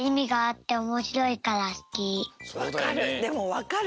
わかる。